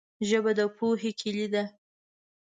ژبه د پوهې کلي ده